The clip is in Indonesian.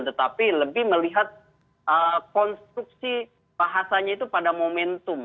tetapi lebih melihat konstruksi bahasanya itu pada momentum